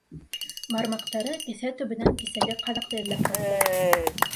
Бармаҡтары кеҫә төбөнән кисәге ҡаҙаҡты эҙләп тапты.